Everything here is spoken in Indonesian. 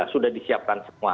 sudah disiapkan semua